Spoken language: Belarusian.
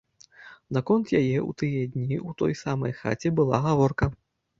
Наконт яе ў тыя дні ў той самай хаце была гаворка.